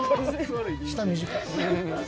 下短い。